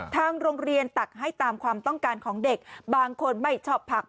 ทางโรงเรียนตักให้ตามความต้องการของเด็กบางคนไม่ชอบผัก